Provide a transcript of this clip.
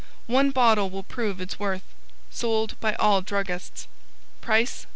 One bottle will prove its worth. Sold by all druggists. Price, $1.